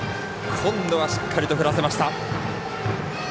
今度はしっかりと振らせました。